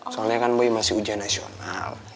soalnya kan boy masih ujian nasional